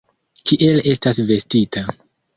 Kiel estas vestita.